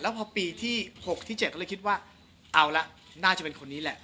พอปีที่๖ที่๗ก็เลยคิดว่าเอาละน่าจะเป็นคนนี้แหละ